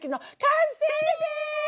完成です！